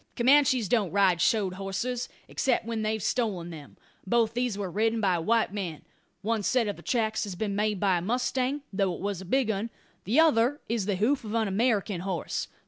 Comanches don't ride shod horses, except when they've stolen them. Both these were ridden by white men. One set of the tracks has been made by a mustang, though it it was a big 'un. The other is the hoof of an American horse.